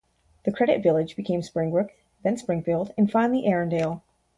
The Credit Village became Springbrook, then Springfield and finally Erindale.